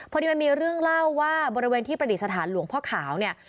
พอดีมันมีเรื่องเล่าว่าบริเวณที่ประดิษฐานหลวงพ่อขาวเนี่ย